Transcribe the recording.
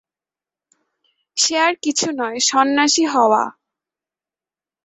সে আর কিছু নয়, সন্ন্যাসী হওয়া।